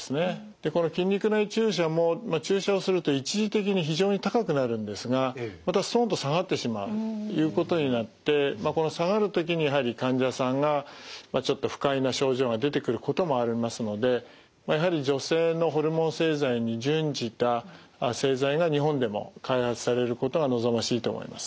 でこの筋肉内注射も注射をすると一時的に非常に高くなるんですがまたストンと下がってしまうということになってこの下がる時にやはり患者さんがちょっと不快な症状が出てくることもありますのでやはり女性のホルモン製剤に準じた製剤が日本でも開発されることが望ましいと思います。